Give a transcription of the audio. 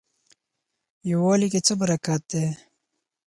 یووالي کې څه برکت دی؟